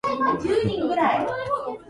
北海道洞爺湖町